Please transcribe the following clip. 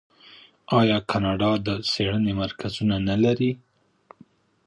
آیا کاناډا د څیړنې مرکزونه نلري؟